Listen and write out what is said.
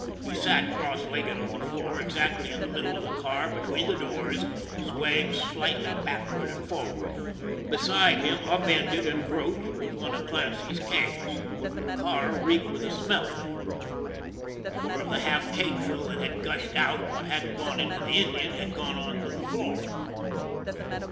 He sat cross legged on the floor, exactly in the middle of the car between the doors, swaying slightly backward and forward. Beside him, up ended and broached, was one of Clancy's kegs. The car reeked with the THE MAN WHO DIDN'T COUNT 243 smell of it, for of the half kegful that had gushed out what hadn't gone into the Indian had gone on to the floor.